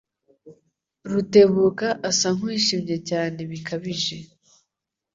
Rutebuka asa nkuwishimye cyane bikabije.